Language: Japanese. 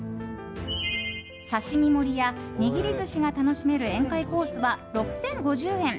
刺し身盛りや握り寿司が楽しめる宴会コースは６０５０円。